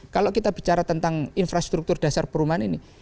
kalau kita bicara tentang infrastruktur dasar perumahan ini